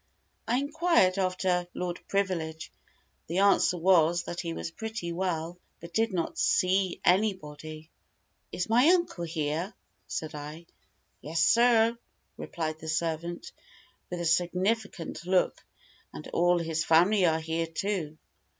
I inquired after Lord Privilege the answer was, that he was pretty well, but did not see any body. "Is my uncle here," said I. "Yes, sir," replied the servant, with a significant look, "and all his family are here too."